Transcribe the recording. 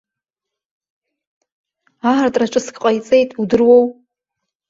Аартра ҿыцк ҟаиҵеит, удыруоу!